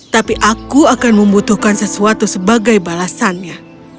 tapi aku akan membutuhkan sesuatu sebagai balasannya